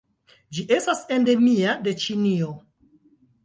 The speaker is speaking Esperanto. Ĝi estas endemia de Ĉinio.